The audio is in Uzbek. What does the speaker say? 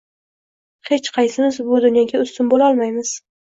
Hech qaysimiz bu dunyoga ustun bo`lolmaymiz